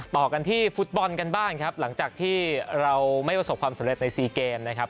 ต่อกันที่ฟุตบอลกันบ้างครับหลังจากที่เราไม่ประสบความสำเร็จในซีเกมนะครับ